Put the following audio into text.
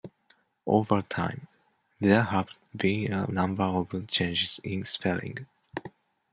Over time, there have been a number of changes in spelling.